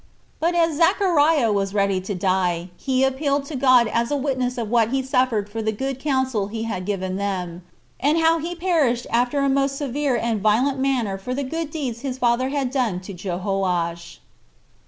But as Zechariah was ready to die, he appealed to God as a witness of what he suffered for the good counsel he had given them, and how he perished after a most severe and violent manner for the good deeds his father had done to Jehoash.